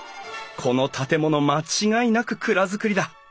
この建物間違いなく蔵造りだ。